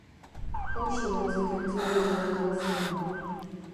Pauso batzuk entzun dira grabazioan.